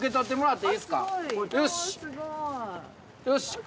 よし。